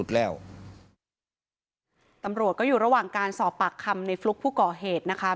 ตำรวจก็รวมสอบปากคำในฟลุกภูตก่อเหตุนะคะ